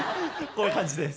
こういう感じです。